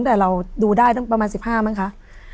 แต่เราดูได้ตั้งประมาณ๑๕มั้งคะ